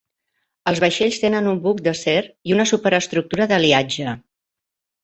Els vaixells tenen un buc d'acer i una superestructura d'aliatge.